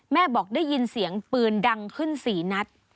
บอกได้ยินเสียงปืนดังขึ้น๔นัด